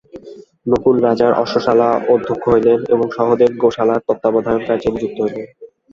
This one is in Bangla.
নকুল রাজার অশ্বশালার অধ্যক্ষ হইলেন এবং সহদেব গোশালার তত্ত্বাবধানকার্যে নিযুক্ত হইলেন।